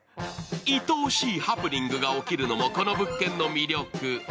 いとおしいハプニングが起きるのもこの物件の魅力。